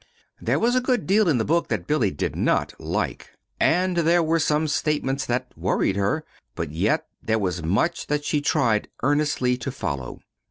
There was a good deal in the book that Billy did not like, and there were some statements that worried her; but yet there was much that she tried earnestly to follow.